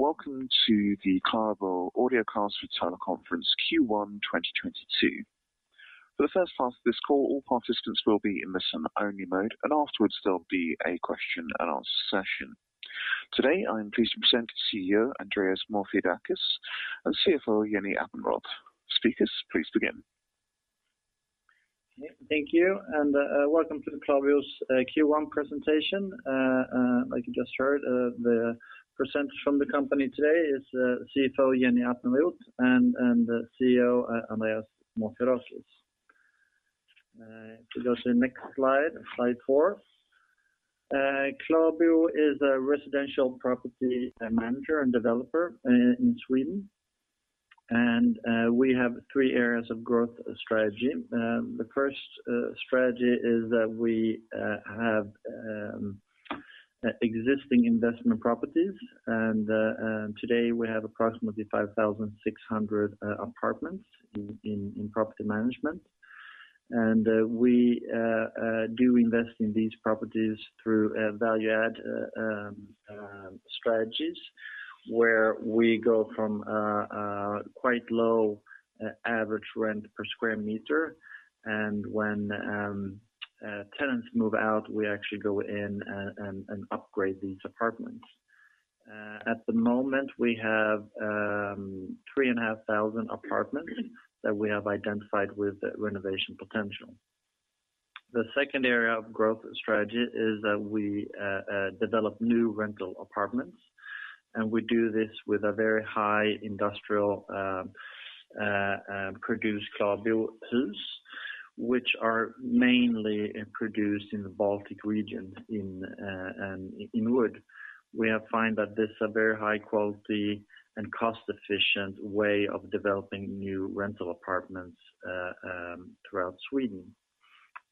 Welcome to the KlaraBo audio conference for teleconference Q1 2022. For the first half of this call, all participants will be in listen-only mode, and afterwards there'll be a question and answer session. Today, I am pleased to present CEO Andreas Morfiadakis and CFO Jenny Appenrodt. Speakers, please begin. Thank you, welcome to the KlaraBo Q1 presentation. Like you just heard, the presenters from the company today is CFO Jenny Appenrodt and CEO Andreas Morfiadakis. If we go to the next slide four. KlaraBo is a residential property manager and developer in Sweden. We have three areas of growth strategy. The first strategy is that we have existing investment properties. Today we have approximately 5,600 apartments in property management. We do invest in these properties through value add strategies, where we go from quite low average rent per square meter. When tenants move out, we actually go in and upgrade these apartments. At the moment, we have 3,500 apartments that we have identified with renovation potential. The second area of growth strategy is that we develop new rental apartments, and we do this with a very high industrial produced KlaraBo-hus, which are mainly produced in the Baltic region in wood. We have found that this is a very high quality and cost-efficient way of developing new rental apartments throughout Sweden.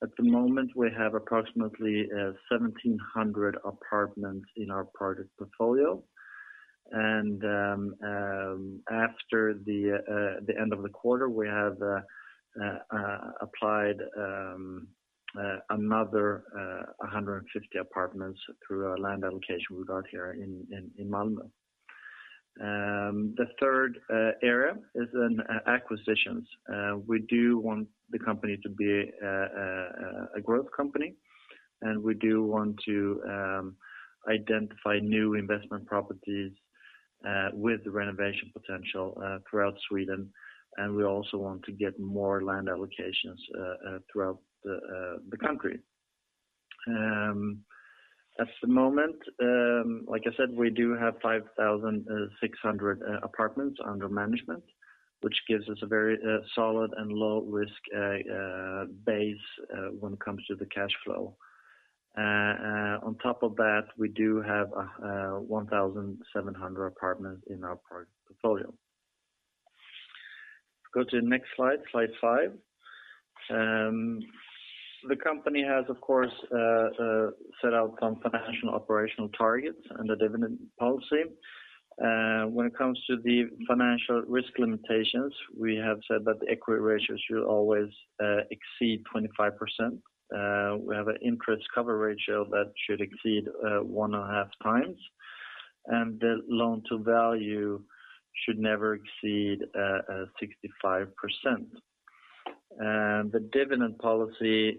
At the moment, we have approximately 1,700 apartments in our project portfolio. After the end of the quarter, we have applied another 150 apartments through our land allocation we got here in Malmö. The third area is in acquisitions. We do want the company to be a growth company, and we do want to identify new investment properties with renovation potential throughout Sweden, and we also want to get more land allocations throughout the country. At the moment, like I said, we do have 5,600 apartments under management, which gives us a very solid and low-risk base when it comes to the cash flow. On top of that, we do have 1,700 apartments in our project portfolio. Go to the next slide 5. The company has, of course, set out some financial operational targets and the dividend policy. When it comes to the financial risk limitations, we have said that the equity ratio should always exceed 25%. We have an interest cover ratio that should exceed one and a half times. The loan to value should never exceed 65%. The dividend policy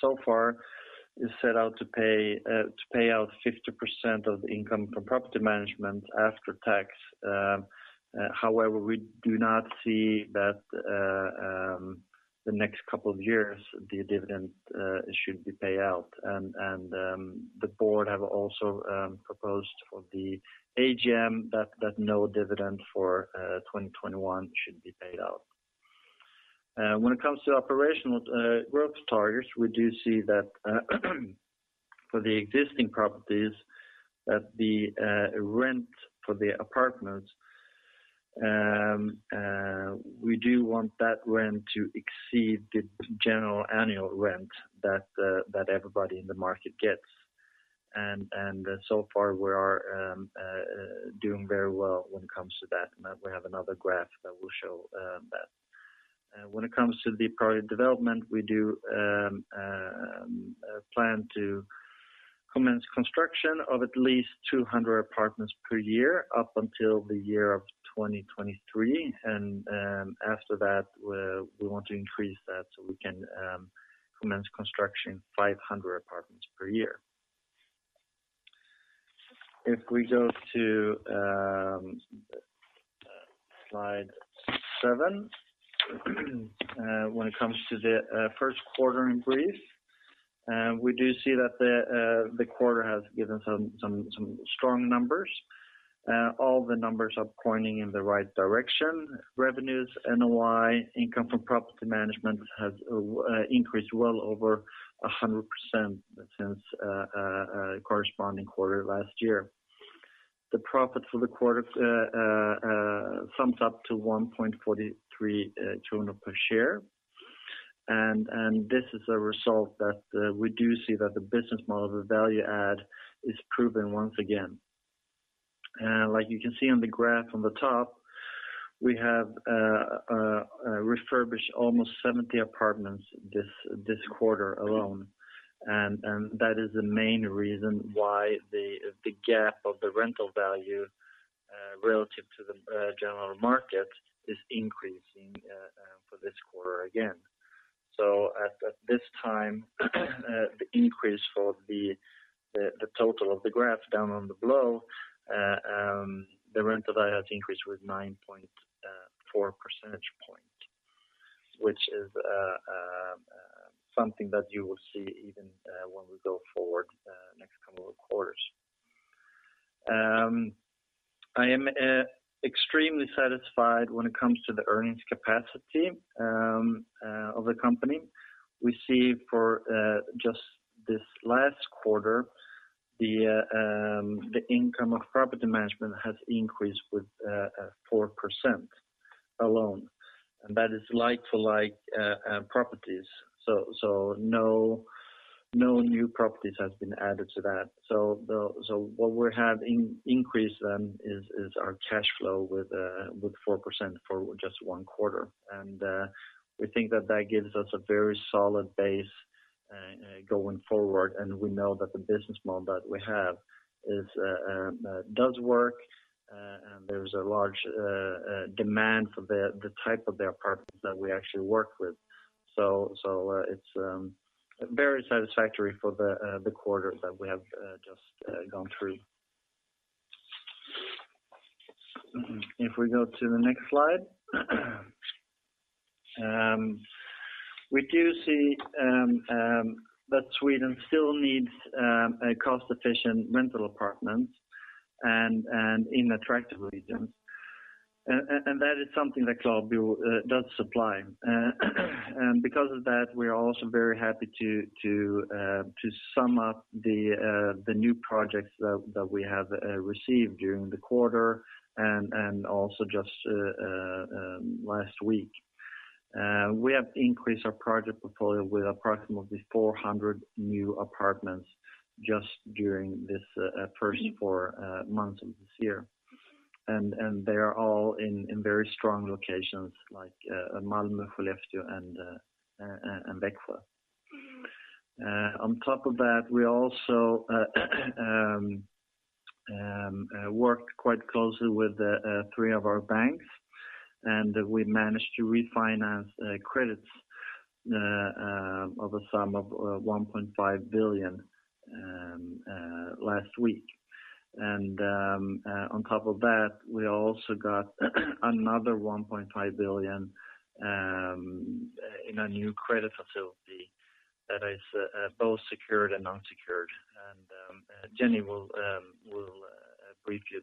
so far is set out to pay out 50% of income from property management after tax. However, we do not see that the next couple of years, the dividend should be paid out. The board have also proposed for the AGM that no dividend for 2021 should be paid out. When it comes to operational growth targets, we do see that for the existing properties that the rent for the apartments we do want that rent to exceed the general annual rent that everybody in the market gets. So far, we are doing very well when it comes to that. We have another graph that will show that. When it comes to the project development, we do plan to commence construction of at least 200 apartments per year up until the year of 2023. After that, we want to increase that so we can commence construction 500 apartments per year. If we go to slide seven. When it comes to the first quarter in brief, we do see that the quarter has given some strong numbers. All the numbers are pointing in the right direction. Revenues, NOI, income from property management has increased well over 100% since corresponding quarter last year. The profit for the quarter sums up to 1.43 per share. This is a result that we do see that the business model, the value-add is proven once again. Like you can see on the graph on the top. We have refurbished almost 70 apartments this quarter alone, and that is the main reason why the gap of the rental value relative to the general market is increasing for this quarter again. At this time, the increase for the total of the graph down below, the rental value has increased with 9.4 percentage point, which is something that you will see even when we go forward next couple of quarters. I am extremely satisfied when it comes to the earnings capacity of the company. We see for just this last quarter, the income of property management has increased with 4% alone, that is like-for-like properties. No new properties has been added to that. What we have increased then is our cash flow with 4% for just one quarter. We think that gives us a very solid base going forward. We know that the business model that we have does work, and there's a large demand for the type of apartments that we actually work with. It's very satisfactory for the quarter that we have just gone through. If we go to the next slide. We do see that Sweden still needs a cost-efficient rental apartment and in attractive regions. That is something that KlaraBo does supply. Because of that, we are also very happy to sum up the new projects that we have received during the quarter and also just last week. We have increased our project portfolio with approximately 400 new apartments just during this first four months of this year. They are all in very strong locations like Malmö, Skellefteå and Växjö. On top of that, we also worked quite closely with the three of our banks, and we managed to refinance credits of a sum of 1.5 billion last week. On top of that, we also got another 1.5 billion in a new credit facility that is both secured and non-secured. Jenny will brief you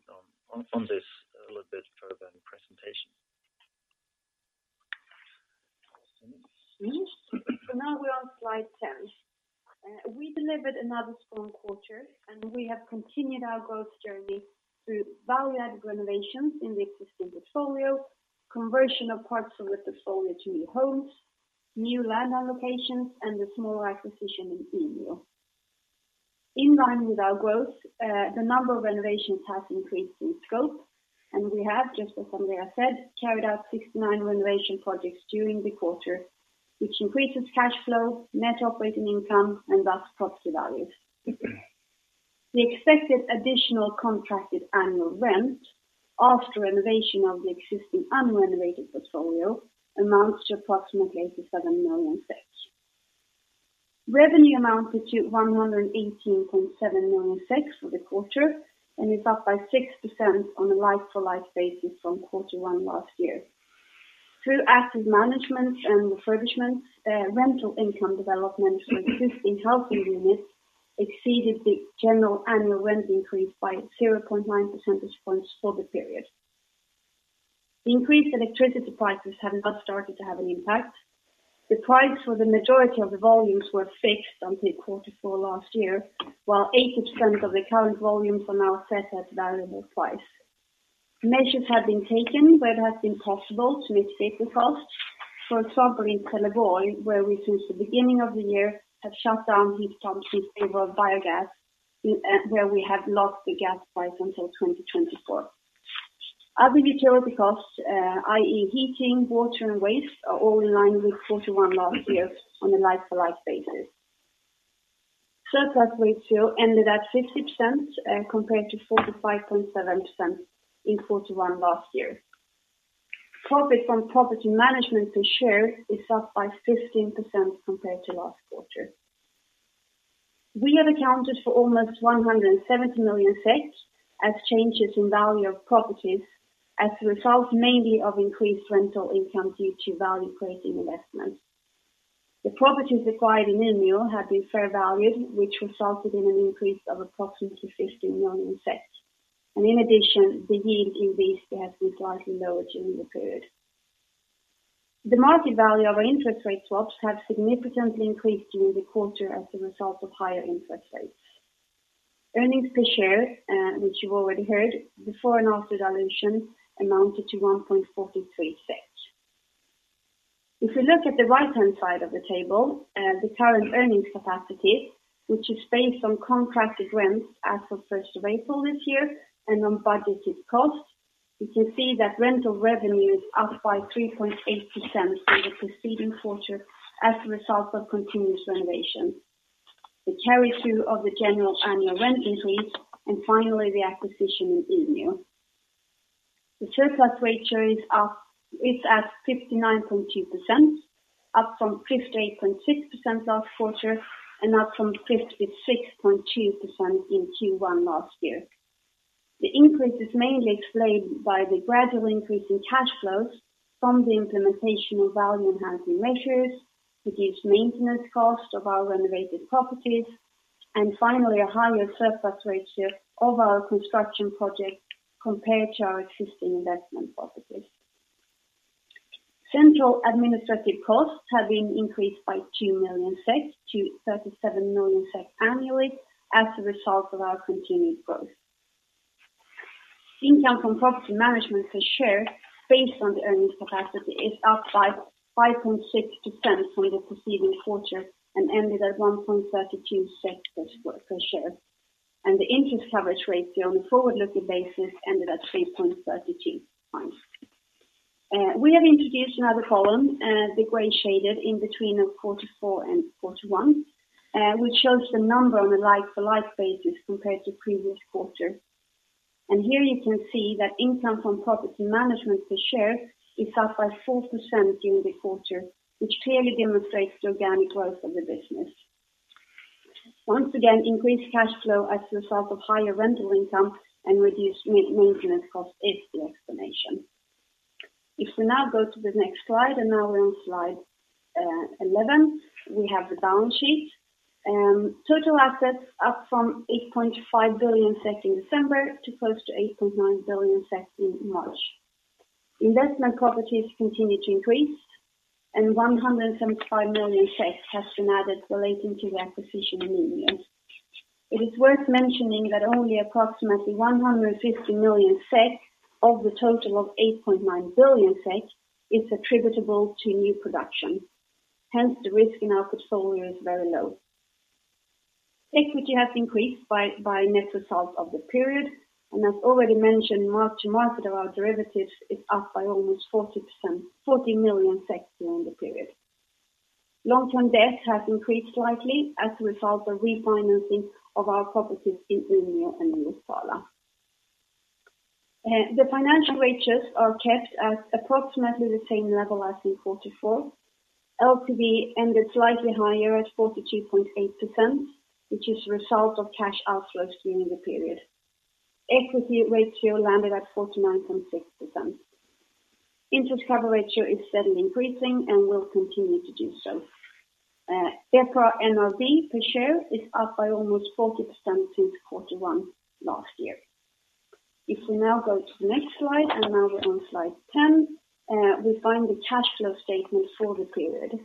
on this a little bit further in the presentation. Now we're on slide 10. We delivered another strong quarter, and we have continued our growth journey through value-add renovations in the existing portfolio, conversion of parts of the portfolio to new homes, new land allocations, and a small acquisition in Umeå. In line with our growth, the number of renovations has increased in scope, and we have, just as Andreas said, carried out 69 renovation projects during the quarter, which increases cash flow, net operating income, and thus property values. The expected additional contracted annual rent after renovation of the existing unrenovated portfolio amounts to approximately 87 million SEK. Revenue amounted to 118.7 million SEK for the quarter, and is up by 6% on a like-for-like basis from quarter one last year. Through active management and refubishments, rental income development for existing housing units exceeded the general annual rent increase by 0.9 percentage points for the period. The increased electricity prices have not started to have an impact. The price for the majority of the volumes were fixed until quarter four last year, while 80% of the current volumes are now set at variable price. Measures have been taken where it has been possible to mitigate the cost. For example, in Trelleborg, where we, since the beginning of the year, have shut down heat pumps in favor of biogas, where we have locked the gas price until 2024. Other material costs, i.e. heating, water, and waste, are all in line with quarter one last year on a like-for-like basis. Surplus ratio ended at 50%, compared to 45.7% in quarter one last year. Profit from property management per share is up by 15% compared to last quarter. We have accounted for almost 170 million SEK as changes in value of properties as a result mainly of increased rental income due to value-creating investments. The properties acquired in Umeå have been fair valued, which resulted in an increase of approximately 15 million. In addition, the yield in these has been slightly lower during the period. The market value of our interest rate swaps have significantly increased during the quarter as a result of higher interest rates. Earnings per share, which you've already heard before and after dilution, amounted to 1.43 SEK. If we look at the right-hand side of the table, the current earnings capacity, which is based on contracted rents as of first of April this year and on budgeted costs, you can see that rental revenue is up by 3.8% from the preceding quarter as a result of continuous renovation, the carry through of the general annual rent increase and finally the acquisition in Umeå. The surplus ratio is at 59.2%, up from 58.6% last quarter, and up from 56.2% in Q1 last year. The increase is mainly explained by the gradual increase in cash flows from the implementation of value enhancing measures, reduced maintenance cost of our renovated properties, and finally a higher surplus ratio of our construction project compared to our existing investment properties. Central administrative costs have been increased by 2 million to 37 million annually as a result of our continued growth. Income from property management per share based on the earnings capacity is up by 5.6% from the preceding quarter and ended at 1.32 SEK per share. The interest coverage ratio on a forward-looking basis ended at 3.32 times. We have introduced another column, the gray shaded in between of quarter four and quarter one, which shows the number on the like-for-like basis compared to previous quarter. Here you can see that income from property management per share is up by 4% during the quarter, which clearly demonstrates the organic growth of the business. Once again, increased cash flow as a result of higher rental income and reduced maintenance cost is the explanation. If we now go to the next slide, and now we're on slide 11, we have the balance sheet. Total assets up from 8.5 billion in December to close to 8.9 billion in March. Investment properties continued to increase, and 175 million has been added relating to the acquisition in Umeå. It is worth mentioning that only approximately 150 million SEK of the total of 8.9 billion SEK is attributable to new production. Hence, the risk in our portfolio is very low. Equity has increased by net result of the period, and as already mentioned, mark to market of our derivatives is up by almost 40%, 40 million SEK during the period. Long-term debt has increased slightly as a result of refinancing of our properties in Umeå and in Uppsala. The financial ratios are kept at approximately the same level as in quarter four. LTV ended slightly higher at 42.8%, which is a result of cash outflow seen in the period. Equity ratio landed at 49.6%. Interest cover ratio is steadily increasing and will continue to do so. EPRA NRV per share is up by almost 40% since quarter one last year. If we now go to the next slide, and now we're on slide 10, we find the cash flow statement for the period.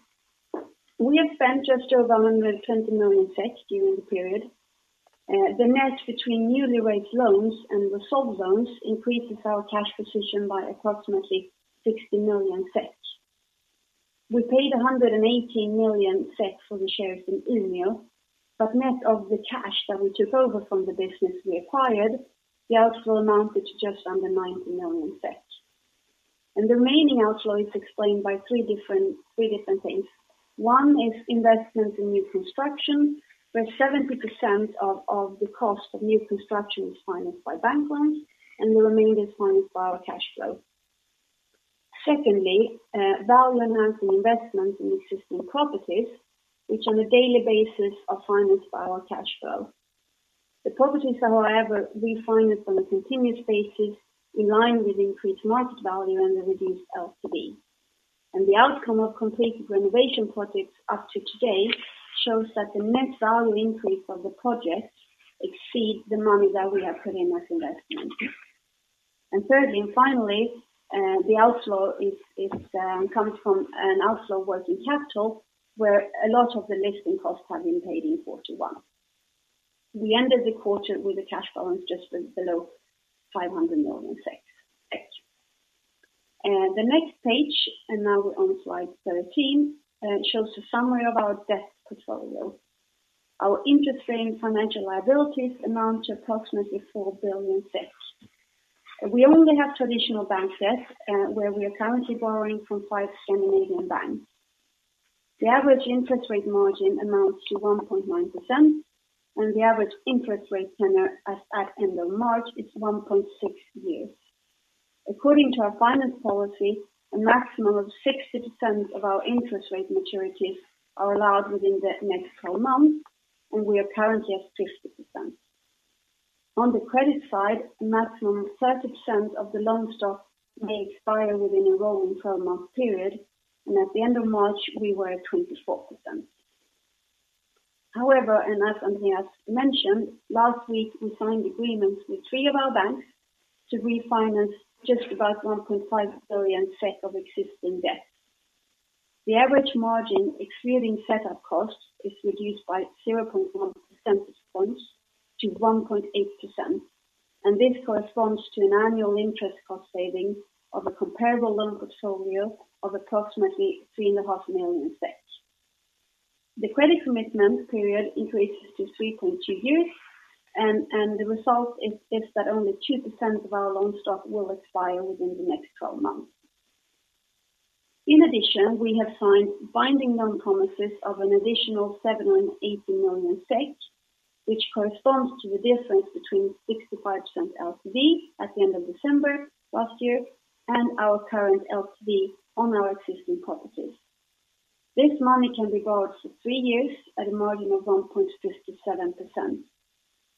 We have spent just over 120 million during the period. The net between newly raised loans and resolved loans increases our cash position by approximately 60 million. We paid 118 million for the shares in Umeå, but net of the cash that we took over from the business we acquired, the outflow amounted to just under 90 million. The remaining outflow is explained by three different things. One is investment in new construction, where 70% of the cost of new construction is financed by bank loans and the remaining is financed by our cash flow. Secondly, value enhancing investment in existing properties, which on a daily basis are financed by our cash flow. The properties are however, financed on a continuous basis in line with increased market value and the reduced LTV. The outcome of completed renovation projects up to today shows that the net value increase of the projects exceed the money that we have put in as investment. Thirdly and finally, the outflow is comes from an outflow of working capital, where a lot of the listing costs have been paid in quarter one. We ended the quarter with a cash balance just below 500 million. The next page, now we're on slide 13, shows a summary of our debt portfolio. Our interest-bearing financial liabilities amount to approximately 4 billion. We only have traditional bank debt, where we are currently borrowing from five Scandinavian banks. The average interest rate margin amounts to 1.9%, and the average interest rate tenor as at end of March is 1.6 years. According to our finance policy, a maximum of 60% of our interest rate maturities are allowed within the next 12 months, and we are currently at 50%. On the credit side, a maximum of 30% of the loan stock may expire within a rolling 12-month period, and at the end of March, we were at 24%. However, and as Andreas mentioned, last week we signed agreements with three of our banks to refinance just about 1.5 billion SEK of existing debt. The average margin, excluding set-up costs, is reduced by 0.1 percentage points to 1.8%. And this corresponds to an annual interest cost saving of a comparable loan portfolio of approximately 3.5 million. The credit commitment period increases to 3.2 years, and the result is that only 2% of our loan stock will expire within the next 12 months. In addition, we have signed binding commitments of an additional 78 million SEK, which corresponds to the difference between 65% LTV at the end of December last year and our current LTV on our existing properties. This money can be borrowed for 3 years at a margin of 1.57%.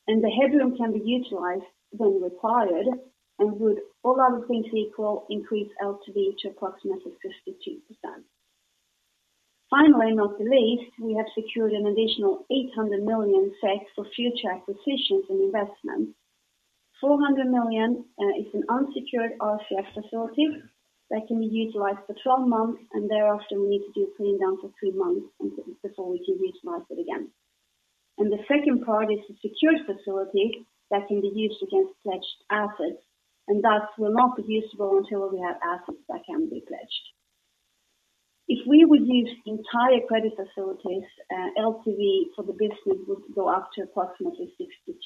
The headroom can be utilized when required and would all other things equal increase LTV to approximately 52%. Finally, not the least, we have secured an additional 800 million SEK for future acquisitions and investments. 400 million is an unsecured RCF facility that can be utilized for 12 months, and thereafter we need to do a clean down for three months before we can utilize it again. The second part is the secured facility that can be used against pledged assets, and thus will not be usable until we have assets that can be pledged. If we would use entire credit facilities, LTV for the business would go up to approximately 62%.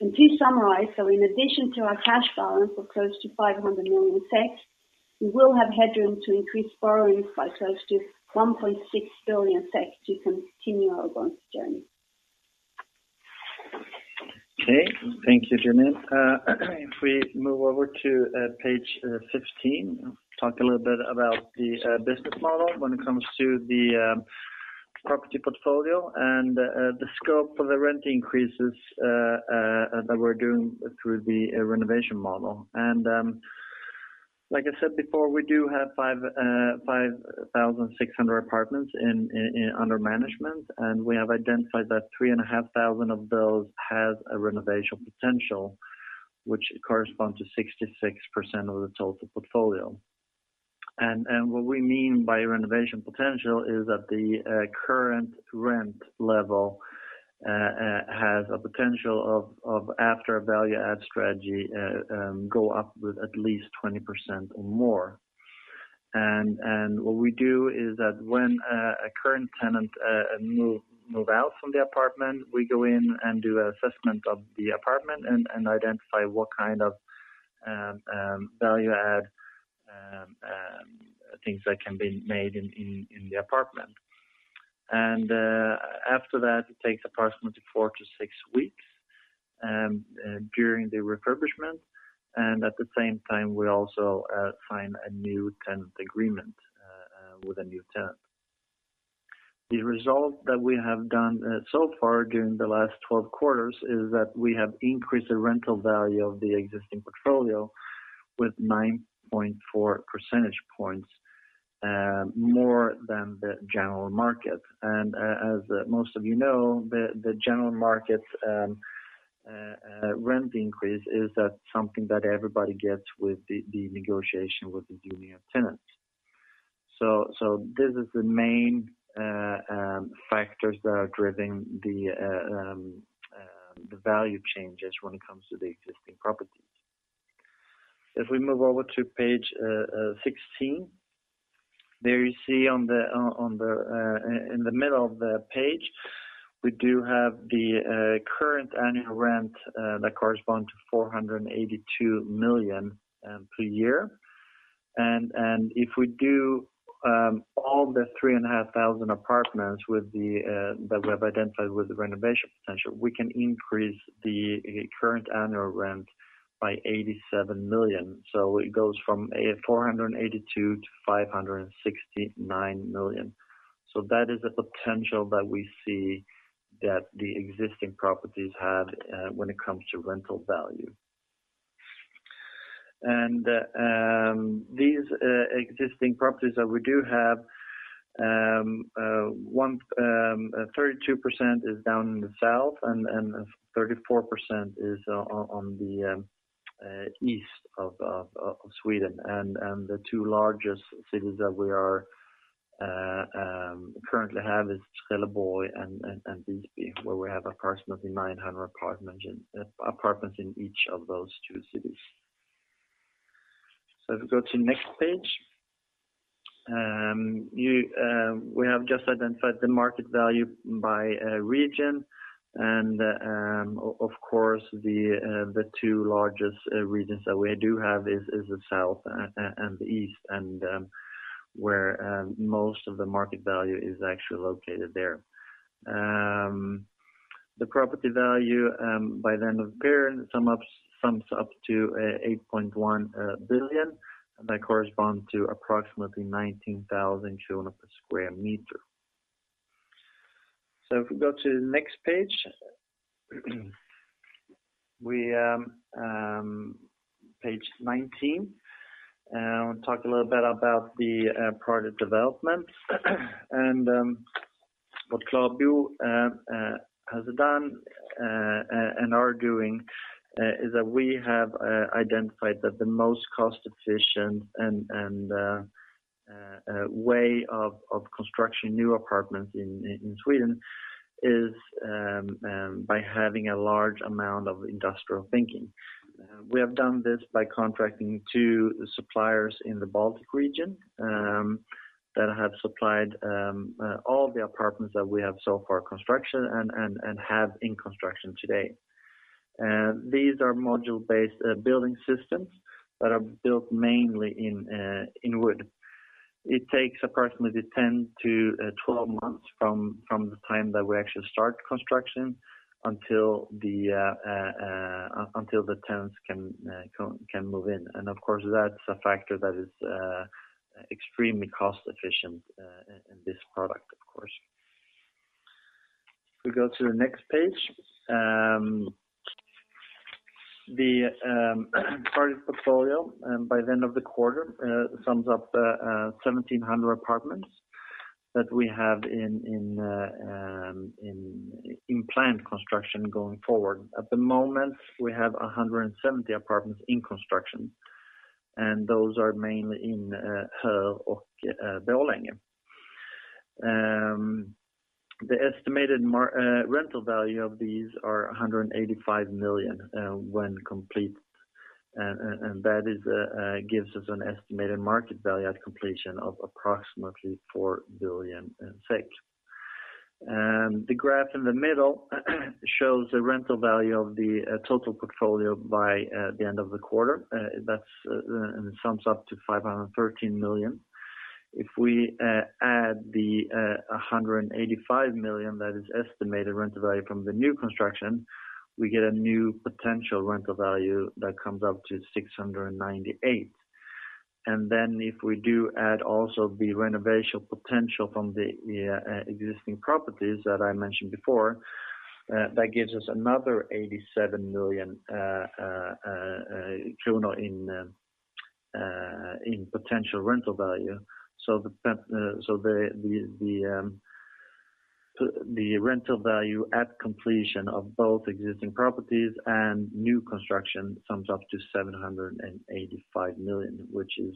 To summarize, in addition to our cash balance of close to 500 million, we will have headroom to increase borrowings by close to 1.6 billion to continue our growth journey. Okay. Thank you, Jenny. If we move over to page 15, talk a little bit about the business model when it comes to the property portfolio and the scope for the rent increases that we're doing through the renovation model. Like I said before, we do have 5,600 apartments under management, and we have identified that 3,500 of those have a renovation potential which correspond to 66% of the total portfolio. What we mean by renovation potential is that the current rent level has a potential of after a value-add strategy go up with at least 20% or more. What we do is that when a current tenant move out from the apartment, we go in and do assessment of the apartment and identify what kind of value-add things that can be made in the apartment. After that, it takes approximately 4-6 weeks during the refurbishment. At the same time we also sign a new tenant agreement with a new tenant. The result that we have done so far during the last 12 quarters is that we have increased the rental value of the existing portfolio with 9.4 percentage points more than the general market. As most of you know, the general market rent increase is that something that everybody gets with the negotiation with the Union of Tenants. This is the main factors that are driving the value changes when it comes to the existing properties. If we move over to page sixteen. There you see in the middle of the page, we do have the current annual rent that corresponds to 482 million per year. If we do all the 3,500 apartments that we have identified with the renovation potential, we can increase the current annual rent by 87 million. It goes from 482 million to 569 million. That is the potential that we see that the existing properties have, when it comes to rental value. These existing properties that we do have, 32% is down in the south and 34% is on the east of Sweden. The two largest cities that we currently have is Trelleborg and Visby, where we have approximately 900 apartments in each of those two cities. If we go to next page. We have just identified the market value by region. Of course, the two largest regions that we do have is the south and the east, and where most of the market value is actually located there. The property value by the end of the period sums up to 8.1 billion, and that correspond to approximately 19,000 SEK per square meter. If we go to next page. We page nineteen. We'll talk a little bit about the project development. What KlaraBo has done and are doing is that we have identified that the most cost efficient and a way of constructing new apartments in Sweden is by having a large amount of industrial thinking. We have done this by contracting 2 suppliers in the Baltic region that have supplied all the apartments that we have so far construction and have in construction today. These are module-based building systems that are built mainly in wood. It takes approximately 10-12 months from the time that we actually start construction until the tenants can move in. Of course, that's a factor that is extremely cost-efficient in this product, of course. If we go to the next page. The project portfolio by the end of the quarter sums up 1,700 apartments that we have in planned construction going forward. At the moment, we have 170 apartments in construction, and those are mainly in Höör and Borlänge. The estimated rental value of these are 185 million when complete. That gives us an estimated market value at completion of approximately 4 billion. The graph in the middle shows the rental value of the total portfolio by the end of the quarter. That sums up to 513 million. If we add the 185 million that is estimated rental value from the new construction, we get a new potential rental value that comes up to 698. Then if we do add also the renovation potential from the existing properties that I mentioned before, that gives us another 87 million kronor in potential rental value. The rental value at completion of both existing properties and new construction sums up to 785 million, which is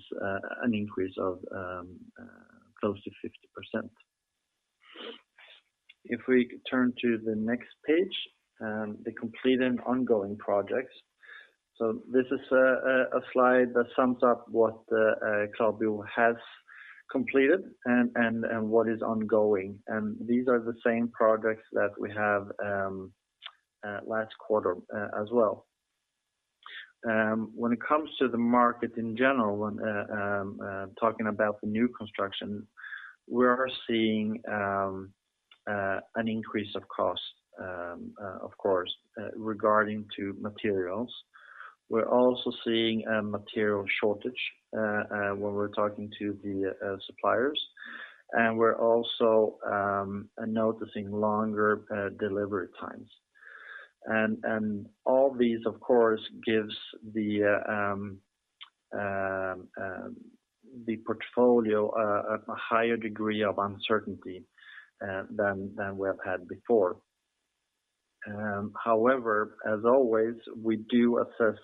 an increase of close to 50%. If we turn to the next page, the completed and ongoing projects. This is a slide that sums up what KlaraBo has completed and what is ongoing. These are the same projects that we have last quarter as well. When it comes to the market in general when talking about the new construction, we are seeing an increase of cost of course regarding to materials. We're also seeing a material shortage when we're talking to the suppliers. We're also noticing longer delivery times. All these, of course, gives the portfolio a higher degree of uncertainty than we have had before. However, as always, we do assess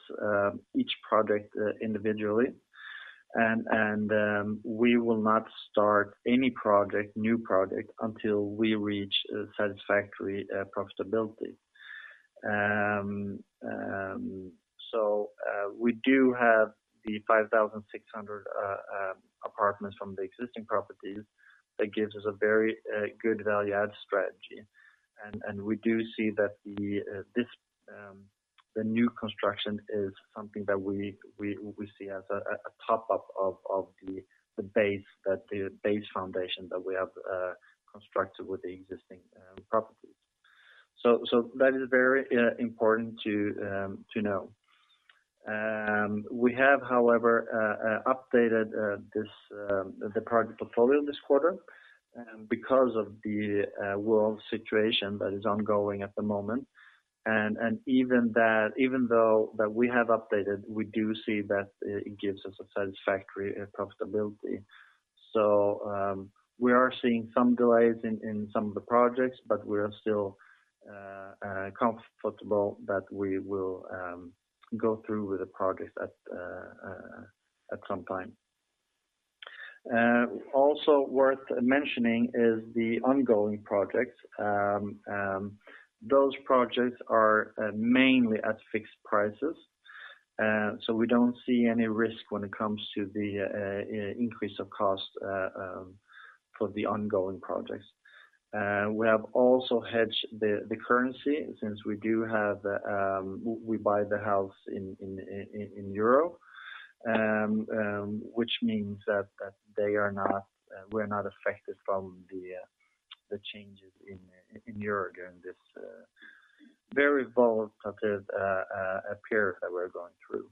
each project individually and we will not start any new project until we reach a satisfactory profitability. We do have the 5,600 apartments from the existing properties that gives us a very good value-add strategy. We do see that this new construction is something that we see as a top-up of the base foundation that we have constructed with the existing properties. That is very important to know. We have, however, updated the project portfolio this quarter because of the world situation that is ongoing at the moment. Even though we have updated, we do see that it gives us a satisfactory profitability. We are seeing some delays in some of the projects, but we are still comfortable that we will go through with the projects at some time. Also worth mentioning is the ongoing projects. Those projects are mainly at fixed prices. We don't see any risk when it comes to the increase of cost for the ongoing projects. We have also hedged the currency since we do have we buy the house in Euro, which means that they are not we're not affected from the changes in Euro during this very volatile period that we're going through.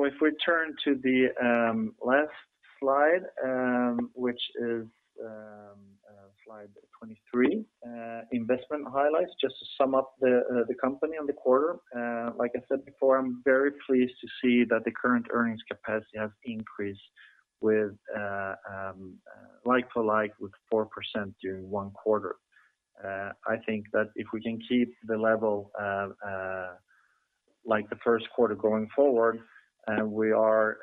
If we turn to the last slide, which is slide 23, investment highlights, just to sum up the company on the quarter. Like I said before, I'm very pleased to see that the current earnings capacity has increased with like-for-like with 4% during one quarter. I think that if we can keep the level like the first quarter going forward, we are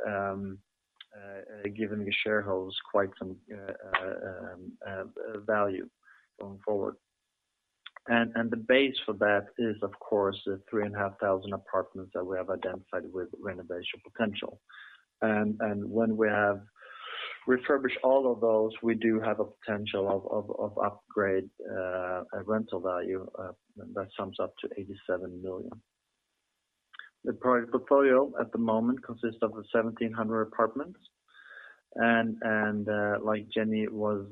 giving the shareholders quite some value going forward. The base for that is, of course, the 3,500 apartments that we have identified with renovation potential. When we have refurbished all of those, we do have a potential of upgrade a rental value that sums up to 87 million. The product portfolio at the moment consists of 1,700 apartments. Like Jenny was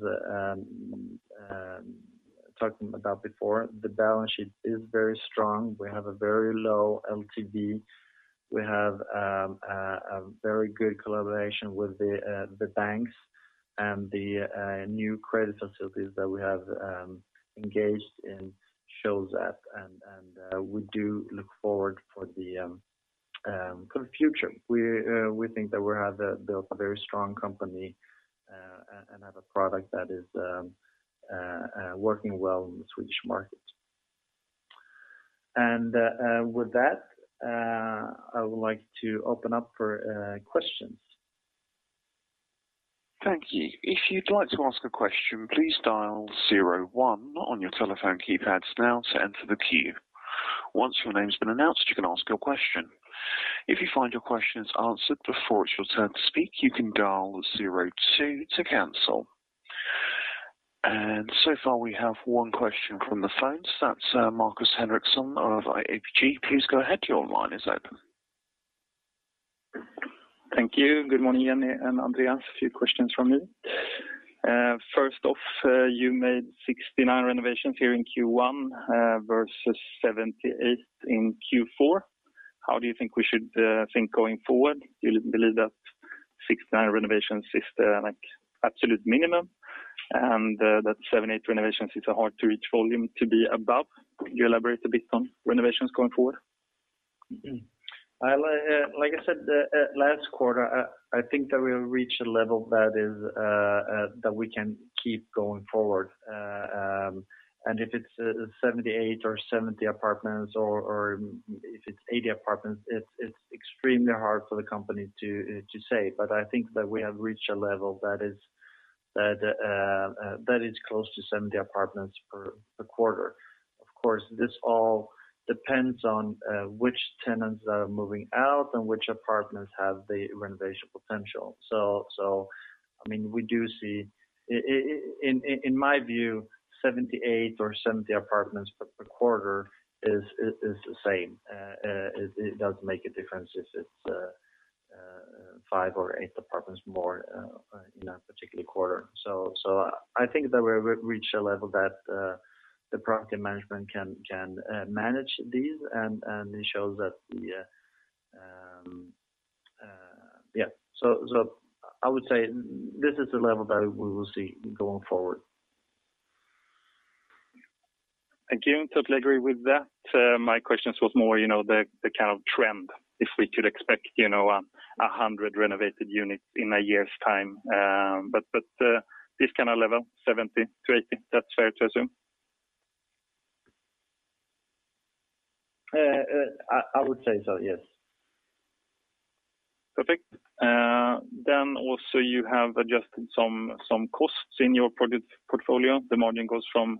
talking about before, the balance sheet is very strong. We have a very low LTV. We have a very good collaboration with the banks and the new credit facilities that we have engaged in shows that. We do look forward for the future. We think that we have built a very strong company and have a product that is working well in the Swedish market. With that, I would like to open up for questions. Thank you. If you'd like to ask a question, please dial zero one on your telephone keypads now to enter the queue. Once your name's been announced, you can ask your question. If you find your question is answered before it's your turn to speak, you can dial zero two to cancel. far, we have one question from the phones. That's Marcus Henriksson of ABG Sundal Collier. Please go ahead. Your line is open. Thank you. Good morning, Jenny and Andreas. A few questions from me. First off, you made 69 renovations here in Q1 versus 78 in Q4. How do you think we should think going forward? Do you believe that 69 renovations is the like absolute minimum, and that 78 renovations is a hard-to-reach volume to be above? Can you elaborate a bit on renovations going forward? Like I said last quarter, I think that we have reached a level that we can keep going forward. If it's 78 or 70 apartments or if it's 80 apartments, it's extremely hard for the company to say. I think that we have reached a level that is close to 70 apartments per quarter. Of course, this all depends on which tenants are moving out and which apartments have the renovation potential. I mean, we do see. In my view, 78 or 70 apartments per quarter is the same. It doesn't make a difference if it's 5 or 8 apartments more in a particular quarter. I think that we've reached a level that the property management can manage these. It shows that. Yeah. I would say this is the level that we will see going forward. Again, totally agree with that. My questions was more, you know, the kind of trend, if we could expect, you know, 100 renovated units in a year's time. This kind of level, 70-80, that's fair to assume? I would say so, yes. Perfect. Also you have adjusted some costs in your product portfolio. The margin goes from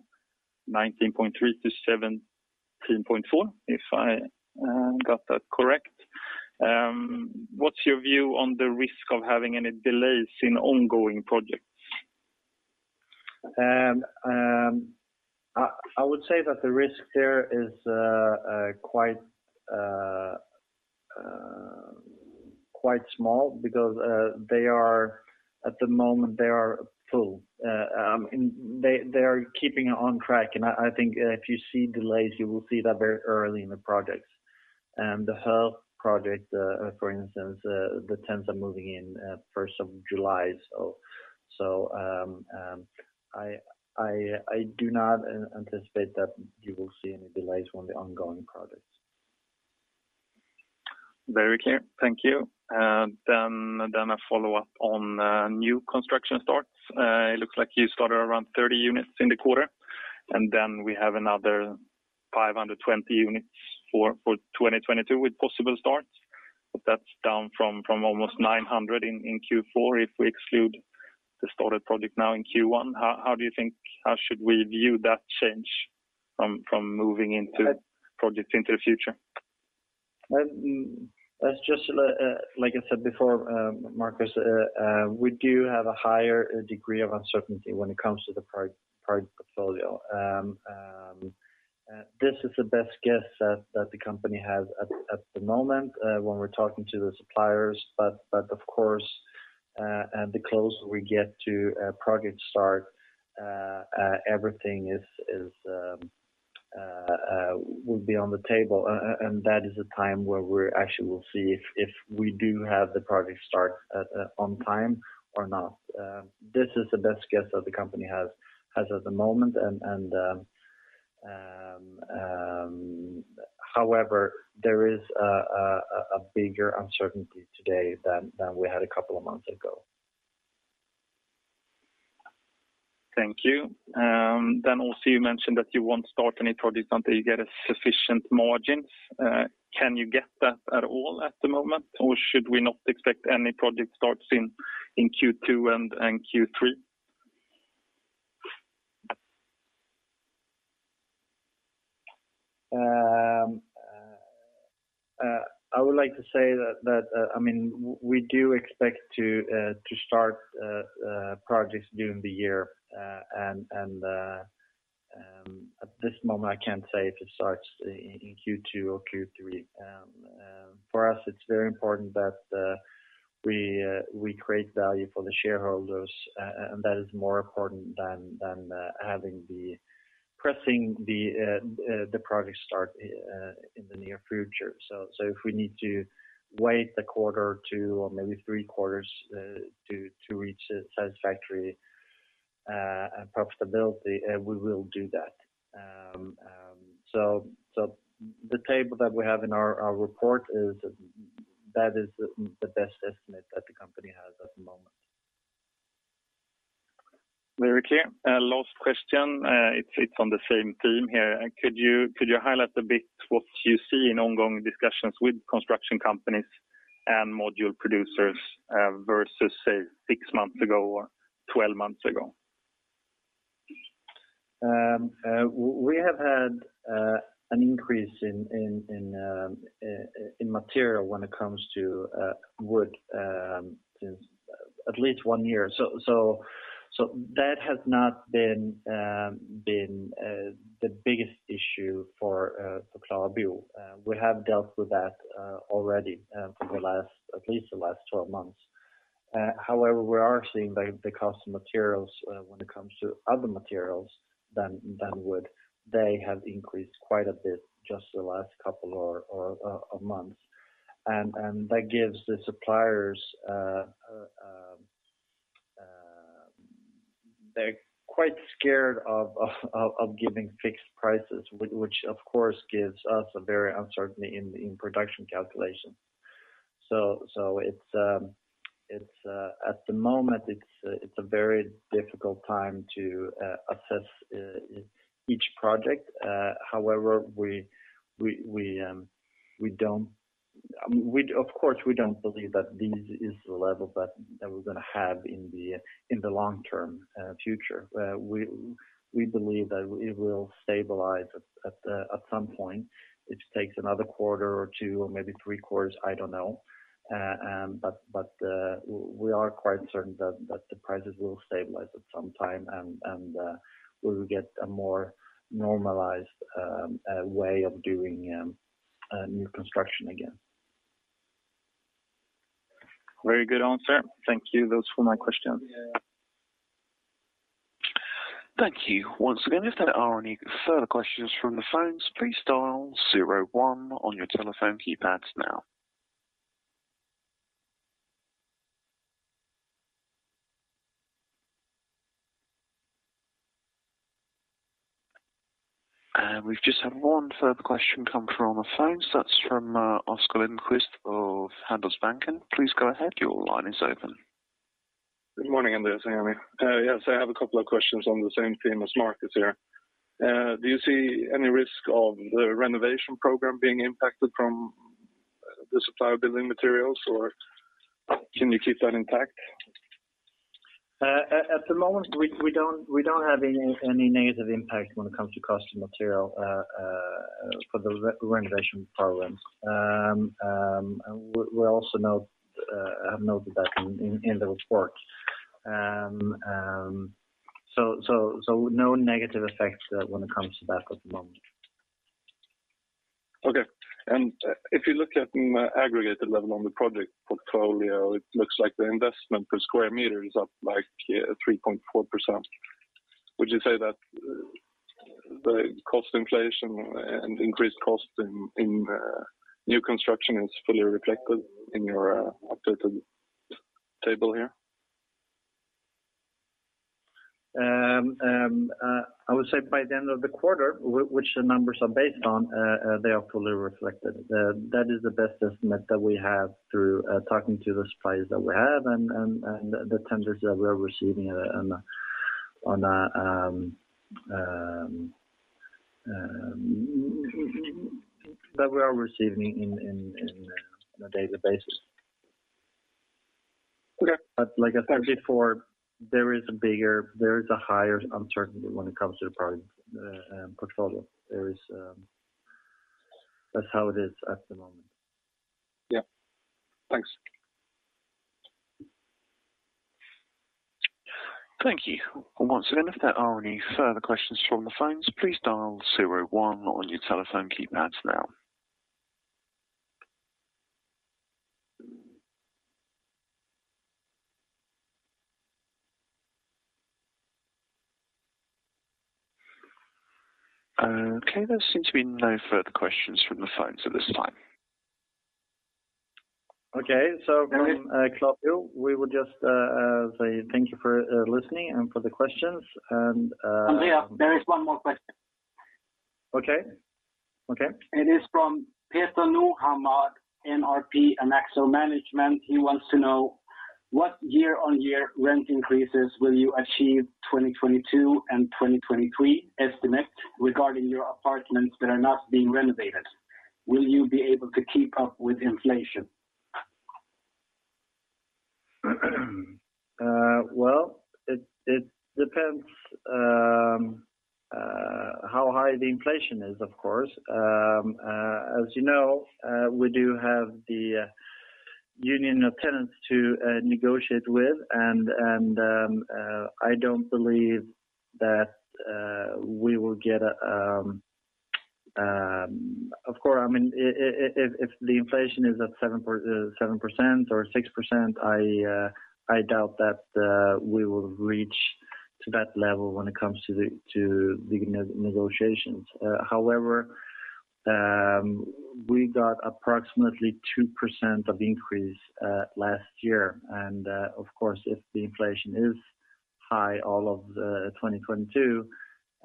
19.3% to 17.4%, if I got that correct. What's your view on the risk of having any delays in ongoing projects? I would say that the risk there is quite small because they are, at the moment, full. They are keeping on track. I think if you see delays, you will see that very early in the projects. The Höör project, for instance, the tenants are moving in first of July. I do not anticipate that you will see any delays on the ongoing projects. Very clear. Thank you. A follow-up on new construction starts. It looks like you started around 30 units in the quarter, and then we have another 520 units for 2022 with possible starts. That's down from almost 900 in Q4 if we exclude the started project now in Q1. How should we view that change from moving into projects into the future? That's just, like I said before, Marcus, we do have a higher degree of uncertainty when it comes to the product portfolio. This is the best guess that the company has at the moment, when we're talking to the suppliers. Of course, the closer we get to a project start, everything will be on the table. That is a time where we actually will see if we do have the project start on time or not. This is the best guess that the company has at the moment. However, there is a bigger uncertainty today than we had a couple of months ago. Thank you. Also you mentioned that you won't start any projects until you get a sufficient margins. Can you get that at all at the moment, or should we not expect any project starts in Q2 and Q3? I would like to say that I mean we do expect to start projects during the year. At this moment, I can't say if it starts in Q2 or Q3. For us it's very important that we create value for the shareholders. That is more important than having the project start in the near future. If we need to wait a quarter or two, or maybe three quarters to reach a satisfactory profitability, we will do that. The table that we have in our report is the best estimate that the company has at the moment. Very clear. Last question, it's on the same theme here. Could you highlight a bit what you see in ongoing discussions with construction companies and module producers, versus, say, 6 months ago or 12 months ago? We have had an increase in materials when it comes to wood since at least one year. That has not been the biggest issue for KlaraBo. We have dealt with that already for at least the last 12 months. However, we are seeing the cost of materials when it comes to other materials than wood. They have increased quite a bit just the last couple months. That gives the suppliers. They're quite scared of giving fixed prices which, of course, gives us a great uncertainty in the production calculations. It's at the moment a very difficult time to assess each project. However, of course, we don't believe that this is the level that we're gonna have in the long term future. We believe that it will stabilize at some point. If it takes another quarter or two or maybe three quarters, I don't know. We are quite certain that the prices will stabilize at some time and we will get a more normalized way of doing new construction again. Very good answer. Thank you. Those were my questions. Yeah. Thank you. Once again, if there are any further questions from the phones, please dial zero one on your telephone keypads now. We've just had one further question come through on the phone. That's from Oscar Enquist of Handelsbanken. Please go ahead. Your line is open. Good morning, Andreas Morfiadakis. Can you hear me? Yes, I have a couple of questions on the same theme as Marcus Henriksson here. Do you see any risk of the renovation program being impacted from the supply of building materials, or can you keep that intact? At the moment, we don't have any negative impact when it comes to cost of material for the renovation programs. We also have noted that in the report. No negative effects when it comes to that at the moment. Okay. If you look at an aggregated level on the project portfolio, it looks like the investment per square meter is up, like, 3.4%. Would you say that the cost inflation and increased cost in new construction is fully reflected in your updated table here? I would say by the end of the quarter, which the numbers are based on, they are fully reflected. That is the best estimate that we have through talking to the suppliers that we have and the tenders that we are receiving on a daily basis. Okay. Like I said before, there is a higher uncertainty when it comes to the product portfolio. That's how it is at the moment. Yeah. Thanks. Thank you. Once again, if there are any further questions from the phones, please dial zero one on your telephone keypads now. Okay. There seems to be no further questions from the phones at this time. Okay. From KlaraBo, we will just say thank you for listening and for the questions. Andreas, there is one more question. Okay. Okay. It is from Peter Norhammar, NRP Anaxo Management. He wants to know, "What year-on-year rent increases will you achieve 2022 and 2023 estimate regarding your apartments that are not being renovated? Will you be able to keep up with inflation? Well, it depends how high the inflation is, of course. As you know, we do have the Union of Tenants to negotiate with. I don't believe that we will get. Of course, I mean if the inflation is at 7% or 6%, I doubt that we will reach to that level when it comes to the negotiations. However, we got approximately 2% of increase last year. Of course, if the inflation is high all of 2022,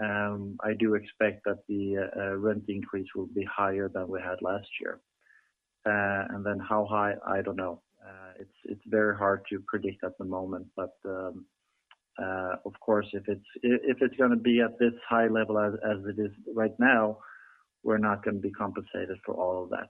I do expect that the rent increase will be higher than we had last year. How high, I don't know. It's very hard to predict at the moment. Of course, if it's gonna be at this high level as it is right now, we're not gonna be compensated for all of that.